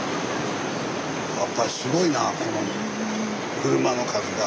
やっぱしすごいなこの車の数が。